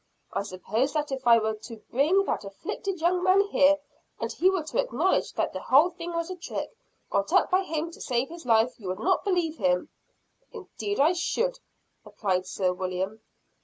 I suppose that if I were to bring that afflicted young man here, and he were to acknowledge that the whole thing was a trick, got up by him to save his life, you would not believe him?" "Indeed I should," replied Sir William.